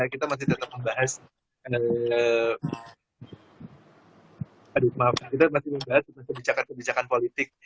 kita masih tetap membahas kebijakan kebijakan politik